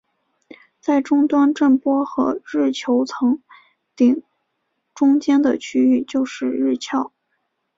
在终端震波和日球层顶中间的区域就是日鞘。